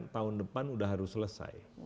tahun depan sudah harus selesai